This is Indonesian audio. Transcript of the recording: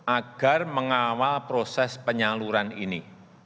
agar mengawal proses penyaluran ini